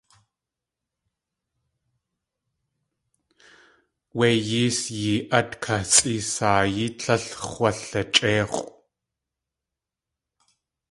Wé yées yee.át kasʼísayi tlél x̲walachʼéix̲ʼw.